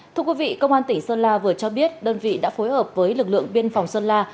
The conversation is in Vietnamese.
thưa quý vị công an tỉnh sơn la vừa cho biết đơn vị đã phối hợp với lực lượng biên phòng sơn la